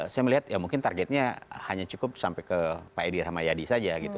saya melihat ya mungkin targetnya hanya cukup sampai ke pak edi rahmayadi saja gitu